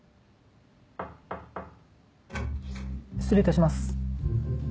失礼いたします。